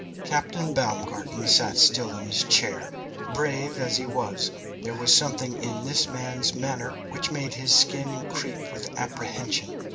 Captain Baumgarten sat still in his chair. Brave as he was, there was something in this man's manner which made his skin creep with apprehension.